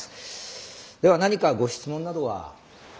では何かご質問などは。